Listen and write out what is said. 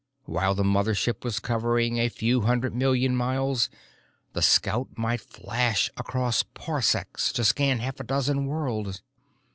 While the mother ship was covering a few hundred million miles, the scout might flash across parsecs to scan half a dozen worlds.